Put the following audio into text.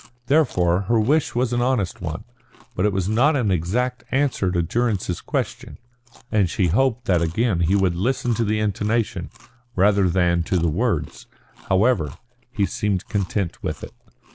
Therefore her wish was an honest one. But it was not an exact answer to Durrance's question, and she hoped that again he would listen to the intonation, rather than to the words. However, he seemed content with it.